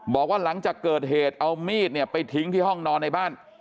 บอกว่าหลังจากเกิดเหตุเอามีดเนี่ยไปทิ้งที่ห้องนอนในบ้าน